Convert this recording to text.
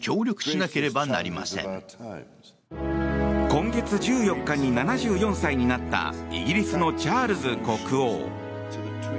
今月１４日に７４歳になったイギリスのチャールズ国王。